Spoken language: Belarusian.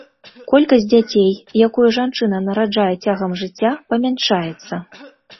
Колькасць дзяцей, якую жанчына нараджае цягам жыцця, памяншаецца.